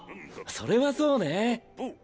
それはそうね。